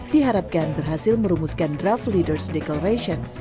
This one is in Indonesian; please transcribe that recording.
diharapkan berhasil merumuskan draft leaders declaration